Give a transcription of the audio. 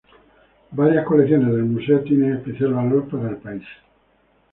Varias colecciones del museo tienen especial valor para el país.